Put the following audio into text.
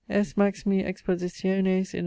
S. Maximi expositiones in S.